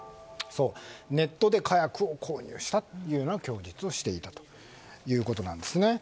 ネットで火薬を購入したという供述をしていたということです。